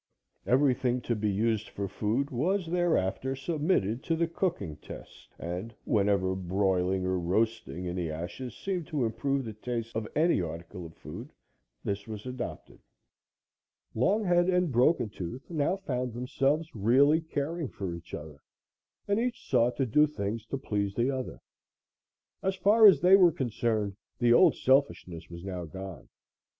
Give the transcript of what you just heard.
Everything to be used for food was thereafter submitted to the cooking test, and, whenever broiling or roasting in the ashes seemed to improve the taste of any article of food, this was adopted. Longhead and Broken Tooth now found themselves really caring for each other and each sought to do things to please the other. As far as they were concerned, the old selfishness was now gone.